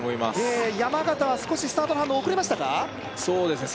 ええ山縣は少しスタートの反応遅れましたかそうですね